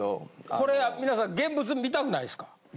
これ皆さん現物見たくないですか？